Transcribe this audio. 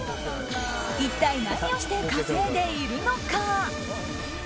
一体、何をして稼いでいるのか？